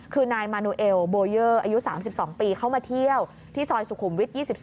คือนายมานูเอลโบเยอร์อายุ๓๒ปีเข้ามาเที่ยวที่ซอยสุขุมวิท๒๒